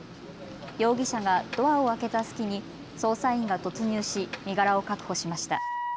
容疑者がドアを開けた隙に捜査員が突入し身柄を確保しました。